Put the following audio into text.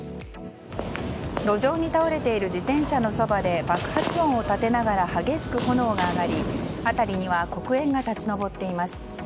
路上に倒れている自転車のそばで爆発音を立てながら激しく炎が上がり辺りには黒煙が立ち上っています。